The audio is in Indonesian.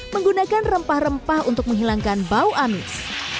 menggunakan rempah rempah untuk menghilangkan bau amis